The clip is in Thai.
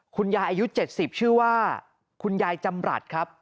คุณยายอายุ๗๐ชื่อว่าคุณยายจำรัฐครับ